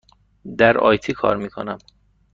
در آی تی کار می کنم.